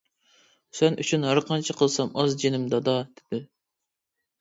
-سەن ئۈچۈن ھەرقانچە قىلسام ئاز، جېنىم دادا-دېدىم.